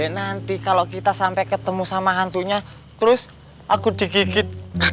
nanti kalau kita sampai ketemu sama hantunya terus aku digigit